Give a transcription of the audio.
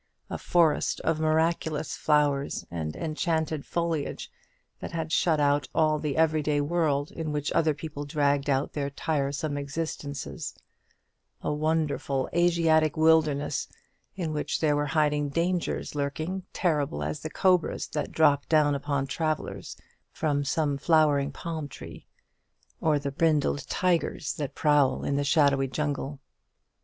a forest of miraculous flowers and enchanted foliage that had shut out all the every day world in which other people dragged out their tiresome existences a wonderful Asiatic wilderness, in which there were hidden dangers lurking, terrible as the cobras that drop down upon the traveller from some flowering palm tree, or the brindled tigers that prowl in the shadowy jungle.